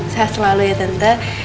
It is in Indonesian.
sehat selalu ya tante